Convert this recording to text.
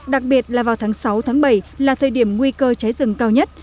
đặc biệt là vào tháng sáu bảy là thời điểm nguy cơ cháy rừng cao nhất